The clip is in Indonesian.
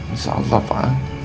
insya allah pak